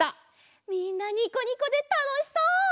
みんなにこにこでたのしそう！